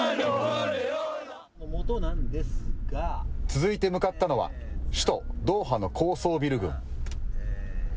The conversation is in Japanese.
続いて向かったのは、首都ドーハの高層ビル群。